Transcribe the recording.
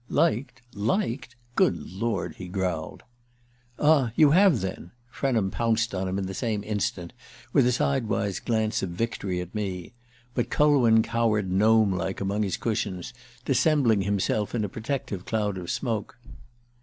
"Liked liked? Good Lord!" he growled. "Ah, you have, then!" Frenham pounced on him in the same instant, with a sidewise glance of victory at me; but Culwin cowered gnomelike among his cushions, dissembling himself in a protective cloud of smoke.